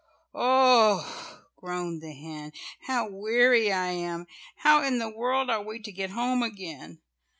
oh!" groaned the hen, "how weary I am. How in the world are we to get home again.